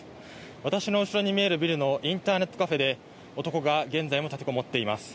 私の後ろに見えるビルのインターネットカフェで男が現在も立てこもっています。